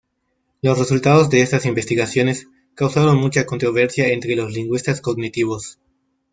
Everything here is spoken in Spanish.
Los resultados de estas investigaciones causaron mucha controversia entre los lingüistas cognitivos.